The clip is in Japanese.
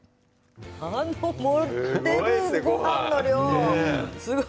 あの盛っているごはんの量すごい。